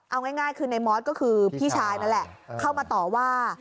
เอาง่ายคือในมอสก็คือพี่ชายนั่นแหละเข้ามาต่อว่า